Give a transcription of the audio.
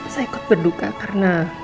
saya ikut berduka karena